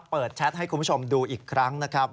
แชทให้คุณผู้ชมดูอีกครั้งนะครับ